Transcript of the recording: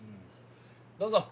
どうぞ。